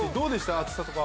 暑さとかは。